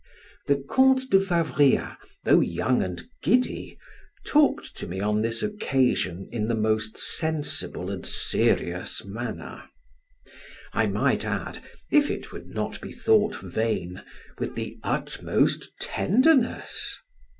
The Count de Favria, though young and giddy, talked to me on this occasion in the most sensible and serious manner: I might add, if it would not be thought vain, with the utmost tenderness.